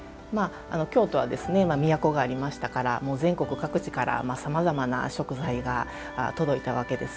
京都は都がありましたから全国各地からさまざまな食材が届いたわけです。